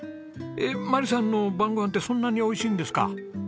えっ眞理さんの晩ご飯ってそんなにおいしいんですか？